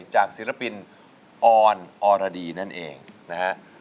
ศิลปินออนออรดีนั่นเองนะฮะ